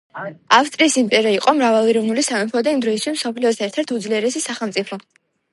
ავსტრიის იმპერია იყო მრავალეროვნული სამეფო და იმ დროისთვის მსოფლიოს ერთ ერთი უძლიერესი სახელმწიფო.